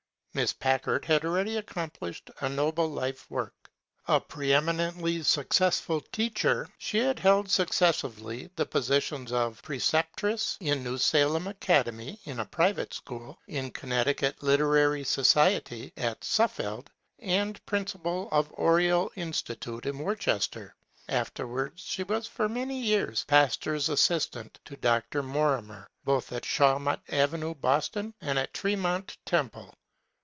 Miss Packard had already accomplished a noble life work. A pre eminently successful teacher, she had held successively the positions of preceptress in New Salem Academy, in a private school, in Connecticut Literary Institute at Suffield, and principal of Oread Institute in Worces ter.' Afterwards she was for many yeaxB pastor's assistant to Dr. Lorimer both at Shawmut Avenue, Boston, and at Ttemont Temple.